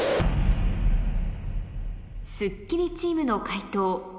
『スッキリ』チームの解答